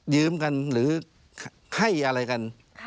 ยืมกันหรือให้อะไรกัน